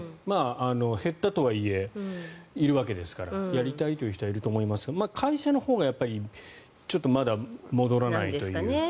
減ったとはいえいるわけですからやりたいという人はいるとは思いますが会社のほうがやっぱりちょっとまだ戻らないというか。